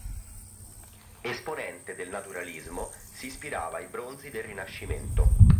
Esponente del naturalismo, si ispirava ai bronzi del Rinascimento.